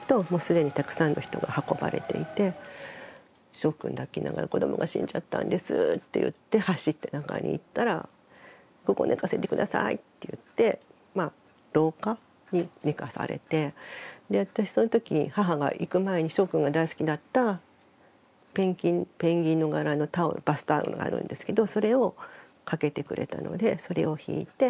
しょうくん抱きながら「子どもが死んじゃったんです！」って言って走って中に行ったら「ここ寝かせて下さい」って言って廊下に寝かされてで私そのとき母が行く前にしょうくんが大好きだったペンギンの柄のタオルバスタオルがあるんですけどそれをかけてくれたのでそれをひいて。